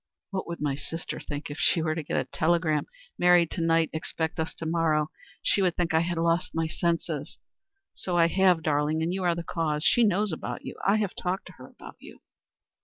"What would my sister think if she were to get a telegram 'Married to night. Expect us to morrow?' She would think I had lost my senses. So I have, darling; and you are the cause. She knows about you. I have talked to her about you."